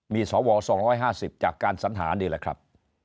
มีสว๒๕๐จากการสัญหานี่แหละครับ